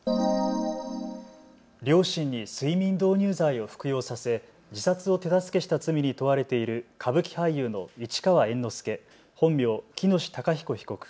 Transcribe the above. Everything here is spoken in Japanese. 両親に睡眠導入剤を服用させ自殺を手助けした罪に問われている歌舞伎俳優の市川猿之助、本名・喜熨斗孝彦被告。